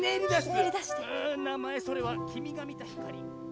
うぅなまえそれはきみがみたひかり。